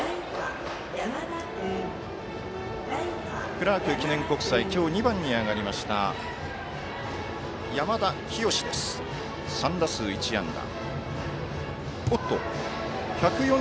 クラーク記念国際今日２番に上がりました山田陽紫です、３打数１安打。